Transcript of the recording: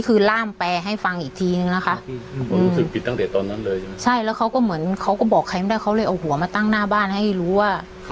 เขาเลยเอาหัวมาตั้งหน้าบ้านให้รู้ว่า